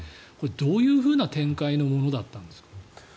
どういうふうな展開のものだったんですか？